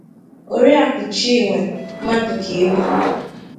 oriakụ Chinwe Madụkegbu